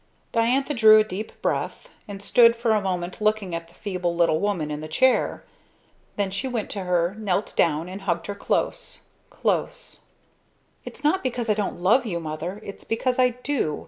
Diantha drew a deep breath and stood for a moment looking at the feeble little woman in the chair. Then she went to her, knelt down and hugged her close close. "It's not because I don't love you, Mother. It's because I do.